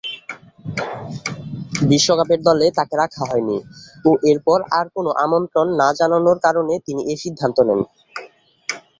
বিশ্বকাপের দলে তাকে রাখা হয়নি ও এরপর আর কোন আমন্ত্রণ না জানানোর কারণে তিনি এ সিদ্ধান্ত নেন।